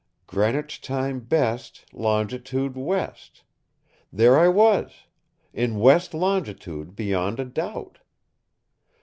"Greenwich time best, longitude west." There I was. In west longitude beyond a doubt.